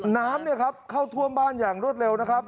น้ำเนี่ยครับเข้าท่วมบ้านอย่างรวดเร็วนะครับ